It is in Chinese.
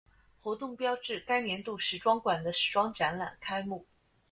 活动标志该年度时装馆的时装展览开幕。